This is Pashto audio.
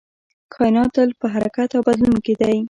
کائنات تل په حرکت او بدلون کې دی